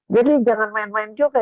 jadi jangan main main juga